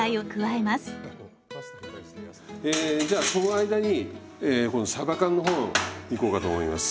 えじゃあその間に今度さば缶の方いこうかと思います。